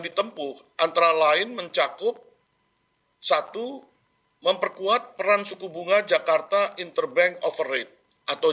ditempuh antara lain mencakup satu memperkuat peran suku bunga jakarta interbank over rate atau